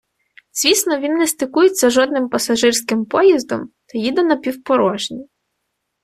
Звісно, він не стикується з жодним пасажирським поїздом та їде напівпорожній.